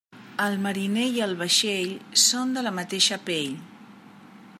El mariner i el vaixell són de la mateixa pell.